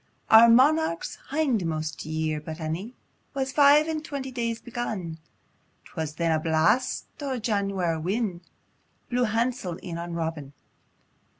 Our monarch's hindmost year but ane Was five and twenty days begun^2, 'Twas then a blast o' Janwar' win' Blew hansel in on Robin.